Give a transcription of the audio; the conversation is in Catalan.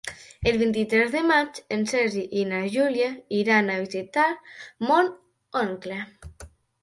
El vint-i-tres de maig en Sergi i na Júlia iran a visitar mon oncle.